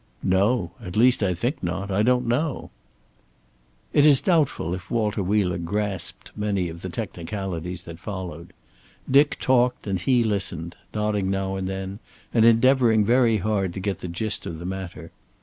"No. At least I think not. I don't know." It is doubtful if Walter Wheeler grasped many of the technicalities that followed. Dick talked and he listened, nodding now and then, and endeavoring very hard to get the gist of the matter.